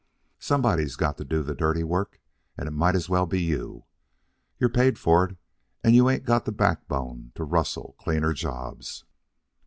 Somebody's got to do the dirty work, and it might as well be you. You're paid for it, and you ain't got the backbone to rustle cleaner jobs."